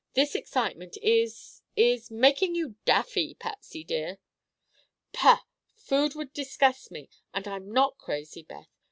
This excitement is—is—making you daffy, Patsy dear." "Pah! Food would disgust me. And I'm not crazy, Beth.